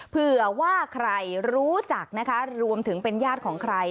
เผื่อว่าใครรู้จักนะคะรวมถึงเป็นญาติของใคร